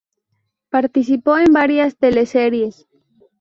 Participó en varias teleseries.